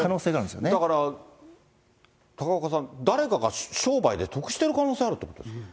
これ、だから高岡さん、誰かが商売で得してる可能性あるってことですか。